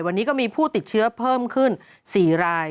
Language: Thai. วันนี้ก็มีผู้ติดเชื้อเพิ่มขึ้น๔ราย